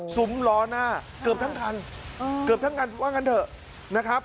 ซุ้มล้อหน้าเกือบทั้งคันเกือบทั้งคันว่างั้นเถอะนะครับ